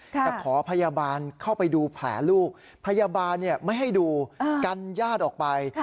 จะขอพยาบาลเข้าไปดูแผลลูกพยาบาลไม่ให้ดูกันญาติออกไป